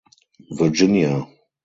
Virginia.